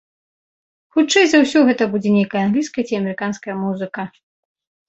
Хутчэй за ўсе, гэта будзе нейкая англійская ці амерыканская музыка.